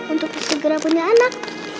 untuk segera punya anak